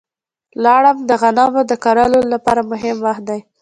لړم د غنمو د کرلو لپاره مهم وخت دی.